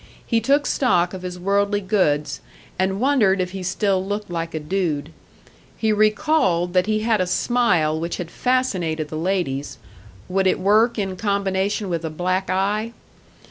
He took stock of his worldly goods and wondered if he still looked like a dude. He recalled that he had a smile which had fascinated the ladies; would it work in combination with a black eye?